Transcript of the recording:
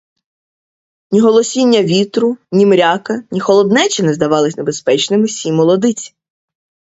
Ні голосіння вітру, ні мряка, ні холоднеча не здавались небезпечними сій молодиці.